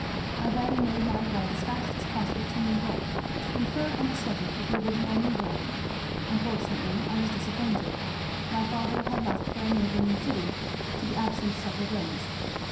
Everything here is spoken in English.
I then made my way as fast as possible to New York to confer on the subject with the original mover of it unfortunately I was disappointed. My father had left for a neighbouring city, to be absent several days.